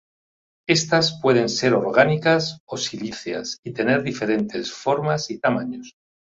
Estas pueden ser orgánicas o silíceas y tener diferentes formas y tamaños.